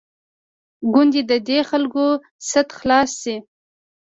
کوندي د دې خلکو سد خلاص شي.